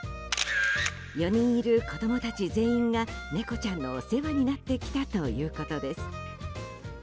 ４人いる子供たち全員が猫ちゃんのお世話になってきたということです。